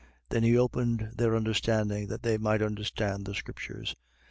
24:45. Then he opened their understanding, that they might understand the scriptures.